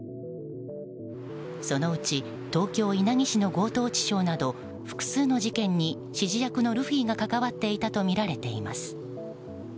そのうち東京・稲城市の強盗致傷など複数の事件に指示役のルフィが関わっていたとみられています。